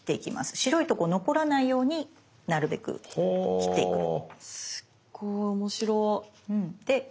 白いとこ残らないようになるべく切っていくんです。